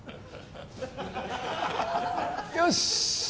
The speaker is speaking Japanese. よし！